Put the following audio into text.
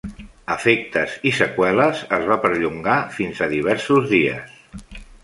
Efectes i seqüeles es va perllongar fins a diversos dies.